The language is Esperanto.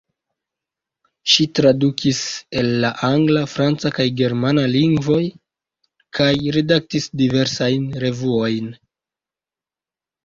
Ŝi tradukis el la angla, franca kaj germana lingvoj kaj redaktis diversajn revuojn.